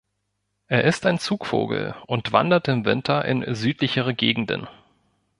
Er ist ein Zugvogel und wandert im Winter in südlichere Gegenden.